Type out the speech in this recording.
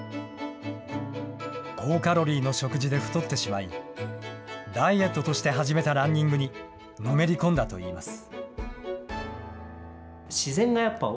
高カロリーの食事で太ってしまい、ダイエットとして始めたランニングにのめり込んだといいます。